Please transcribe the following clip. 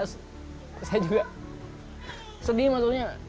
saya juga sedih maksudnya